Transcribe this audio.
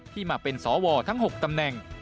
ที่มาเป็นสอวอทั้งหกตำแหน่ง